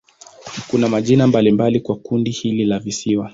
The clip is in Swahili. Kuna majina mbalimbali kwa kundi hili la visiwa.